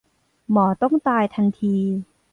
หมอต้องตายทันที